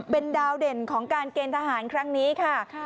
เป็นดาวเด่นของการเกณฑ์ทหารครั้งนี้ค่ะ